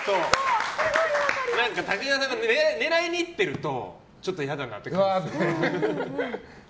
武田さんも狙いに行っているとちょっと嫌だなって感じですよね。